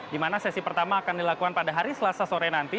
di mana sesi pertama akan dilakukan pada hari selasa sore nanti